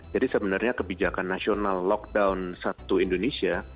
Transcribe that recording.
jadi sebenarnya kebijakan nasional lockdown satu indonesia